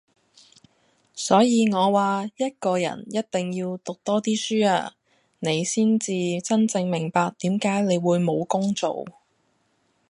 所以我話一個人一定要讀多啲書啊，你先至真正明白點解你會冇工做!